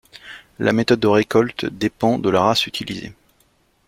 La méthode de récolte dépend de la race utilisée.